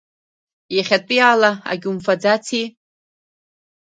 Иахьатәиала агьумфаӡаци?